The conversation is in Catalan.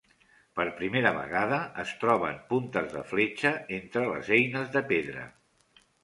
Per primera vegada es troben puntes de fletxa entre les eines de pedra.